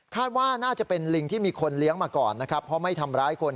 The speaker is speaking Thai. ว่าน่าจะเป็นลิงที่มีคนเลี้ยงมาก่อนนะครับเพราะไม่ทำร้ายคน